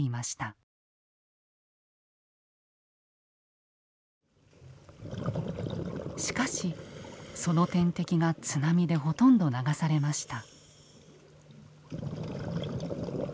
しかしその天敵が津波でほとんど流されました。